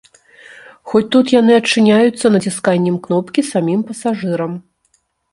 Хоць тут яны адчыняюцца націсканнем кнопкі самім пасажырам.